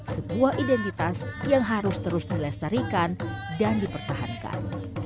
sebuah identitas yang harus terus dilestarikan dan dipertahankan